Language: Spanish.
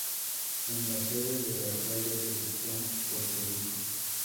Es la sede del Alcalde de San Juan, Puerto Rico.